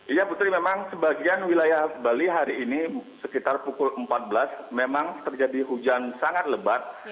iya putri memang sebagian wilayah bali hari ini sekitar pukul empat belas memang terjadi hujan sangat lebat